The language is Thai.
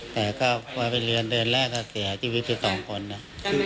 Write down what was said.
แต่ก็พอไปเรียนเดือนแรกก็เสียชีวิตไปสองคนนะ